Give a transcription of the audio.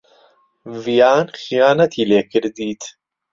ڤیان خیانەتی لێ کردیت.